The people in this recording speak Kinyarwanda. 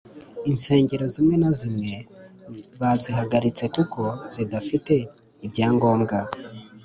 Itsengero zimyenazimye bazihagaritse kuko izidafite ibyangombwa